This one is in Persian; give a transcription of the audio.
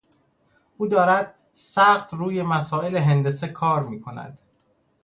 او دارد سخت روی مسائل هندسه کار میکند.